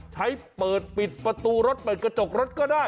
ใช้เปิดปิดประตูรถเปิดกระจกรถก็ได้